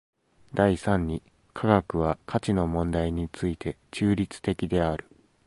第三に科学は価値の問題について中立的である。